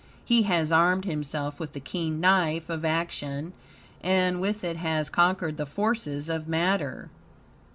He has armed himself with the keen knife of action, and with it has conquered the forces of matter.